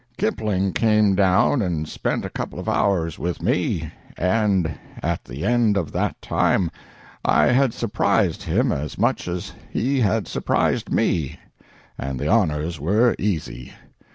Kipling came down and spent a couple of hours with me, and at the end of that time I had surprised him as much as he had surprised me and the honors were easy.